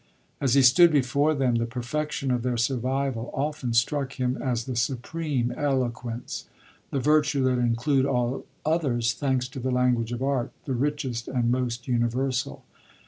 As he stood before them the perfection of their survival often struck him as the supreme eloquence, the virtue that included all others, thanks to the language of art, the richest and most universal.